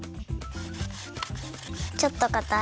ちょっとかたい？